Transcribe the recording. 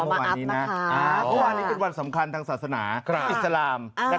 เมื่อวานนี้เป็นวันสำคัญทางศาสนาอิศลาม